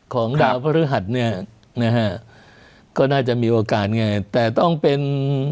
ของดาวพระฤหัสเนี่ยนะฮะก็น่าจะมีโอกาสไงแต่ต้องเป็น